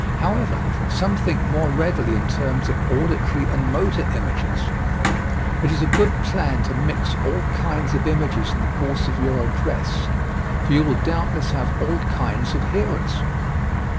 However, some think more readily in terms of auditory and motor images. It is a good plan to mix all kinds of images in the course of your address for you will doubtless have all kinds of hearers.